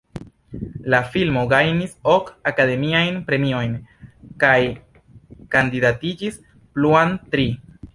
La filmo gajnis ok Akademiajn Premiojn kaj kandidatiĝis pluan tri.